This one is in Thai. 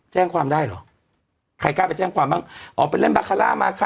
แจ้งความได้เหรอใครกล้าไปแจ้งความบ้างอ๋อไปเล่นบาคาร่ามาค่ะ